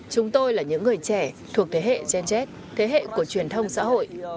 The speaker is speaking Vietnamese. chúng tôi là những người trẻ thuộc thế hệ gen z thế hệ của truyền thông xã hội